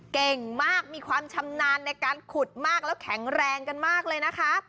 เก่งมากมีความชำนาญในการขุดมากแล้วแข็งแรงกันมากเลยนะคะ